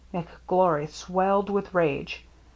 McGlory swelled with rage.